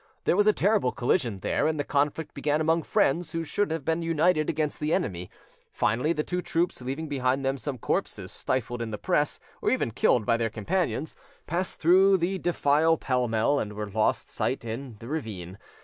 There was a terrible collision there, and the conflict began among friends who should have been united against the enemy. Finally, the two troops, leaving behind them some corpses stifled in the press, or even killed by their companions, passed through the defile pell mell and were lost sight of in the ravine.